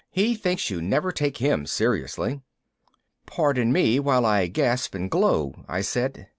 He thinks you never take him seriously." "Pardon me while I gasp and glow," I said.